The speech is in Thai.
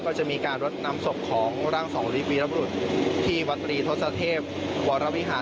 ก็จะมีการรดนำศพของร่างสองฤทธวีรบรุษที่วัตรีทศเทพวรวิหาร